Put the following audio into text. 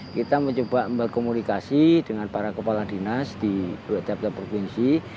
kita mencoba berkomunikasi dengan para kepala dinas di beberapa provinsi